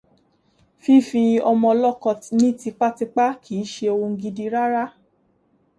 Fífi ọmọ l’ọ́kọ ni tipátipá kìí ṣe ohun gidi rárá.